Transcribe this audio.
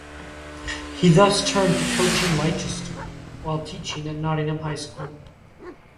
He thus turned to coaching Leicester, while teaching at Nottingham High School.